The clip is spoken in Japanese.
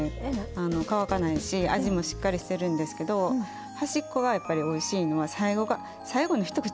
あの乾かないし味もしっかりしてるんですけど端っこがやっぱりおいしいのは最後が最後の一口が端っこなので。